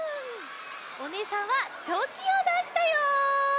おねえさんはチョキをだしたよ。